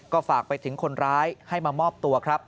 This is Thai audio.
ก็ฝากไปถึงคนร้ายให้มามอบตัวครับ